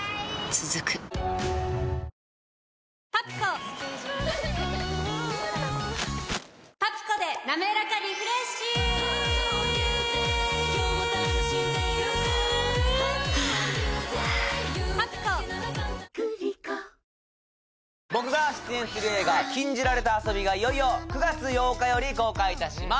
続く僕が出演する映画「禁じられた遊び」がいよいよ９月８日より公開いたします